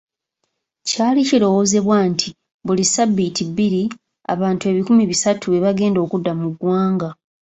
Kyali kirowoozebwa nti buli sabbiiti bbiri, abantu ebikumi bisatu be bagenda okudda mu ggwanga.